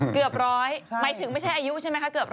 เกือบร้อยหมายถึงไม่ใช่อายุใช่ไหมคะเกือบ๑๐๐